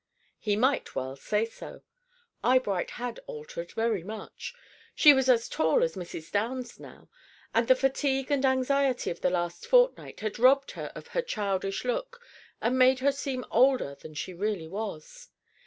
He might well say so. Eyebright had altered very much. She was as tall as Mrs. Downs now, and the fatigue and anxiety of the last fortnight had robbed her of her childish look and made her seem older than she really was.